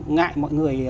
ngại mọi người